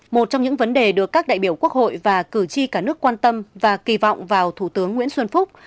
một trong những vấn đề được các đại biểu quốc hội và cử tri cả nước quan tâm và kỳ vọng vào thủ tướng nguyễn xuân phúc